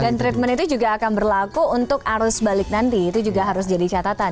dan treatment itu juga akan berlaku untuk arus balik nanti itu juga harus jadi catatan ya